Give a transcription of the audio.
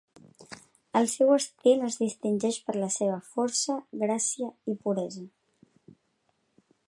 El seu estil es distingeix per la seva força, gràcia i puresa.